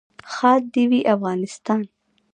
ښاد دې وي افغانستان.